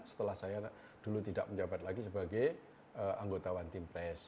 setelah saya dulu tidak menjabat lagi sebagai anggotawan tim pes